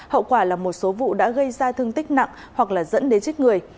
hậu quả là một số vụ đã gây ra thương tích nặng hoặc là dẫn đến chết người